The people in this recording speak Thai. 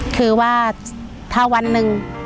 คือว่าถ้าวันหนึ่ง